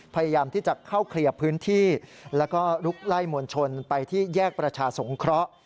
พยายามที่จะเข้าเคลียร์พื้นที่แล้วก็ลุกไล่มวลชนไปที่แยกประชาสงเคราะห์